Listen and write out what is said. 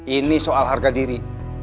ini soal harga diri